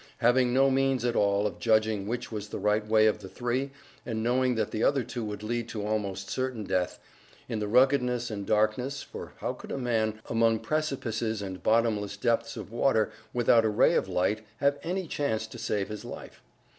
Having no means at all of judging which was the right way of the three, and knowing that the other two would lead to almost certain death, in the ruggedness and darkness for how could a man, among precipices and bottomless depths of water, without a ray of light, have any chance to save his life?